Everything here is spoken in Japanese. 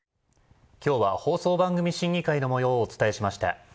今日は放送番組審議会のもようをお伝えしました。